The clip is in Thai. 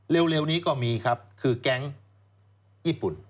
เร็วนี้ก็มีครับคือแก๊งญี่ปุ่น